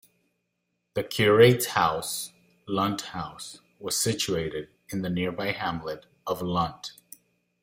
The curate's house, Lunt House, was situated in the nearby hamlet of Lunt.